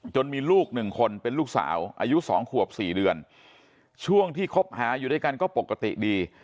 มีลูกหนึ่งคนเป็นลูกสาวอายุ๒ขวบ๔เดือนช่วงที่คบหาอยู่ด้วยกันก็ปกติดี